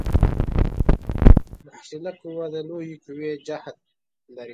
محصله قوه د لویې قوې جهت لري.